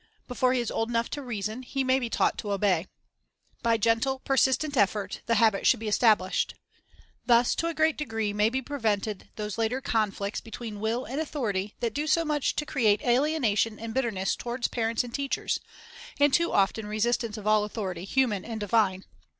Before he is old enough to reason, he may be taught to obey. By gentle, persist ent effort, the habit should be established. Thus, to a great degree, may be prevented those later conflicts between will and authority that do so much to create alienation and bitterness toward parents and teachers, and too often resistance of all authority, human and divine.